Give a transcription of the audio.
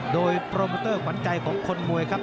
โดยโปรโมเตอร์ขวัญใจของคนมวยครับ